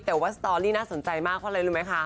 แต่ว่าสตอรี่น่าสนใจมากเพราะอะไรรู้ไหมคะ